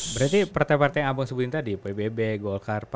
berarti partai partai yang abang sebutin tadi pbb golkar